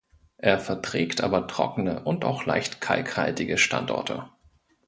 Er verträgt aber trockene und auch leicht kalkhaltige Standorte.